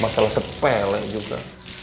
masalah sepelek juga